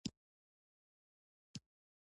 ازادي راډیو د امنیت کیسې وړاندې کړي.